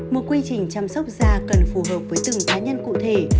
một quy trình chăm sóc da cần phù hợp với từng cá nhân cụ thể